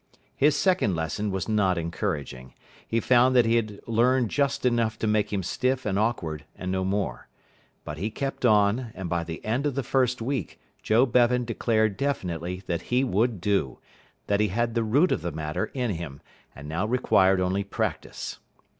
His second lesson was not encouraging. He found that he had learned just enough to make him stiff and awkward, and no more. But he kept on, and by the end of the first week Joe Bevan declared definitely that he would do, that he had the root of the matter in him, and now required only practice.